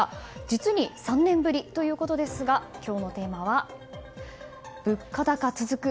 実に３年ぶりということですが今日のテーマは物価高続く